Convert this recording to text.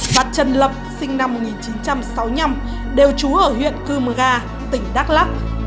và trần lập sinh năm một nghìn chín trăm sáu mươi năm đều trú ở huyện cư mờ ga tỉnh đắk lắc